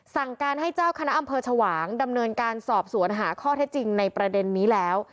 สั่งการให้เจ้าคณะอำเภอชวางดำเนินการสอบสวนหาข้อเท็จจริงในประเด็นนี้แล้ว